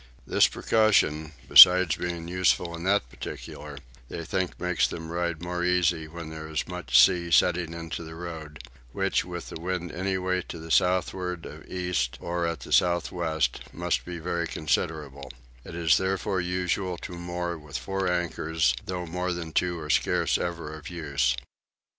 This precaution, besides being useful in that particular, they think makes them ride more easy when there is much sea setting into the road, which, with the wind any way to the southward of east or at south west, must be very considerable; it is therefore usual to moor with four anchors, though more than two are scarce ever of use.